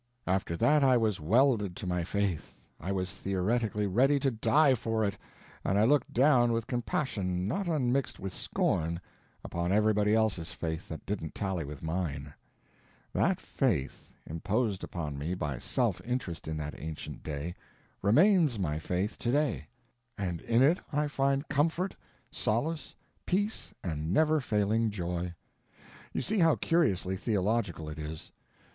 After that I was welded to my faith, I was theoretically ready to die for it, and I looked down with compassion not unmixed with scorn upon everybody else's faith that didn't tally with mine. That faith, imposed upon me by self interest in that ancient day, remains my faith today, and in it I find comfort, solace, peace, and never failing joy. You see how curiously theological it is.